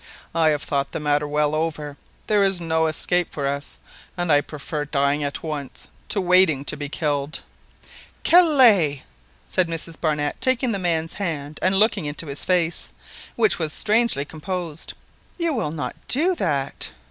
"I have thought the matter well over: there is no escape for us, and I prefer dying at once to waiting to be killed." "Kellet!" said Mrs Barnett, taking the man's hand and looking into his face, which was strangely composed, "you will not do that?"